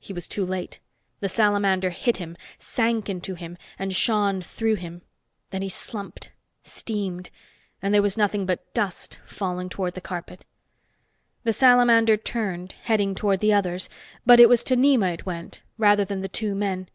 He was too late. The salamander hit him, sank into him and shone through him. Then he slumped, steamed ... and was nothing but dust falling toward the carpet. The salamander turned, heading toward the others. But it was to Nema it went, rather than the two men.